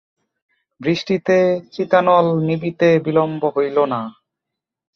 বৃষ্টিতে চিতানল নিবিতে বিলম্ব হইল না।